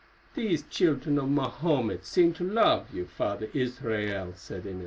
"These children of Mahomet seem to love you, Father Israel," said Inez.